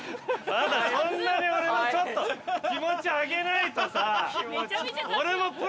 まだそんなに俺もちょっと気持ち上げないとさ。